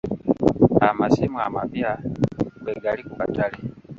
Amasimu amapya kwe gali ku katale.